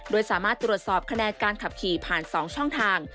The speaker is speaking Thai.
โดยสามารถตรวจสอบคะแนนการขับขี่ผ่าน๒ช่องทาง